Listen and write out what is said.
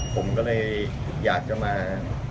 ผมก็เลยอยากจะมา